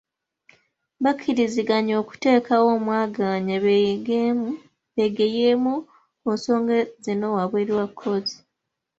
Bakkiriziganyizza okuteekawo omwaganya beegeyeemu ku nsonga zino wabweru wa kkooti.